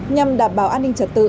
nhằm đảm bảo an ninh trật tự